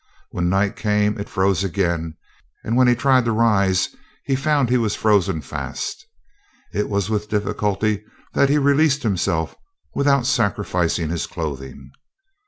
When night came it froze again, and when he tried to rise he found he was frozen fast. It was with difficulty that he released himself without sacrificing his clothing.